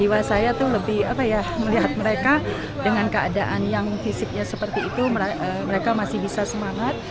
di sini saya merasa jiwa saya melihat mereka dengan keadaan yang fisiknya seperti itu mereka masih bisa semangat